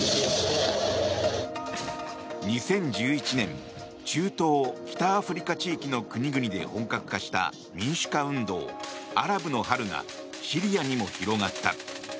２０１１年、中東北アフリカ地域の国々で本格化した民主化運動アラブの春がシリアにも広がった。